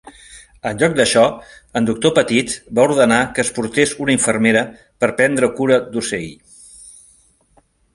En lloc d'això, el doctor Pettit va ordenar que es portés una infermera per prendre cura d'Ocey.